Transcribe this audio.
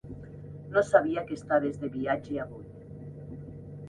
No sabia que estaves de viatge avui.